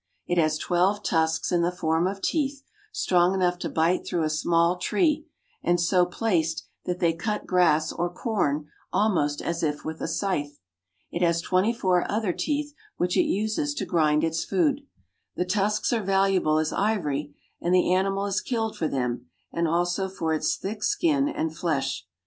It has twelve tusks in the form of teeth, strong enough to bite through a small tree, and so placed that they cut grass or com almost as if with a scythe. It has twenty four other teeth, which it uses to grind its food. The tusks are valuable as ivory, and the animal is killed for them and also for its thick skin and flesh.